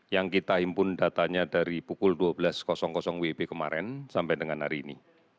yang kita himpun datanya dari pukul dua belas wib kemarin sampai dengan hari ini